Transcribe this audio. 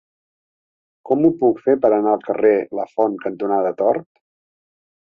Com ho puc fer per anar al carrer Lafont cantonada Tort?